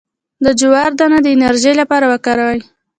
د جوار دانه د انرژي لپاره وکاروئ